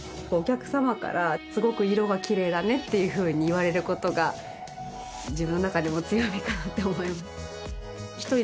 お客様からすごく色がきれいだねっていうふうに言われることが自分の中でも強みかなって思います